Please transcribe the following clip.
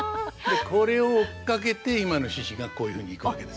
これを追っかけて今の獅子がこういうふうに行くわけです。